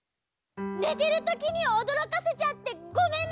ねてるときにおどろかせちゃってごめんなさい！